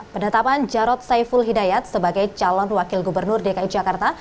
penetapan jarod saiful hidayat sebagai calon wakil gubernur dki jakarta